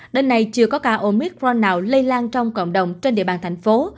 đến nay chưa có ca omicron nào lây lan trong cộng đồng trên địa bàn thành phố